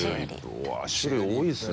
うわっ種類多いですね。